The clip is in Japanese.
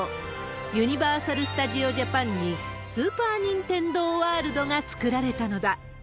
ユニバーサル・スタジオ・ジャパンに、スーパー・ニンテンドー・ワールドが作られたのだ。